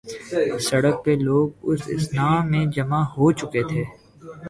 سڑک پہ لوگ اس اثناء میں جمع ہوچکے تھے۔